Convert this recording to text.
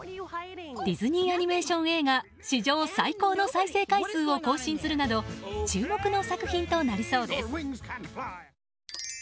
ディズニーアニメーション映画史上最高の再生回数を更新するなど注目の作品となりそうです。